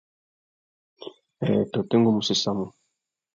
Nhêê tôtê, ngu mú séssamú.